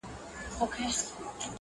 په خوی چنګېز یې په زړه سکندر یې.!